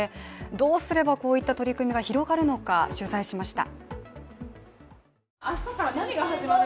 どうすればこういった取り組みが広がるのか取材しました。